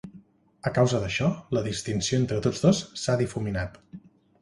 A causa d'això, la distinció entre tots dos s'ha difuminat.